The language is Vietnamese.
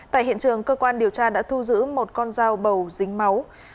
tại hiện trường cơ quan điều tra đã thu giữ một con dao bầu dính máu